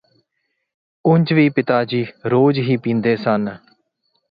ਉਂਝ ਵੀ ਪਿਤਾ ਜੀ ਰੋਜ਼ ਹੀ ਪੀਂਦੇ ਸਨ